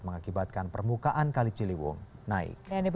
mengakibatkan permukaan kaliciliwung naik